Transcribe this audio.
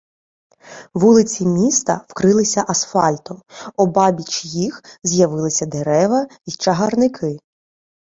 Вулиці міста вкрилися асфальтом, обабіч їх з'явилися дерева й чагарники.